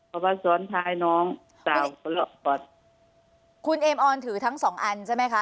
เอาวัดสวนท้ายน้องคุณเอมออนถือทั้งสองอันใช่ไหมคะ